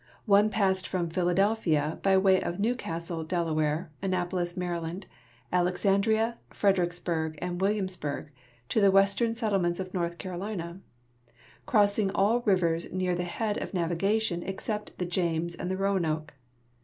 One passed from Philadelj^hia, by way of Newcastle, Del., Annapolis, Md., Alexandria, Fredericksburg, and Williamsburg, to the western settlements of North Carolina, crossing all rivers near the head of navigation exce|)t the James and the Roanoke.